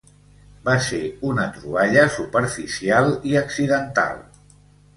Va ser una troballa superficial i accidental.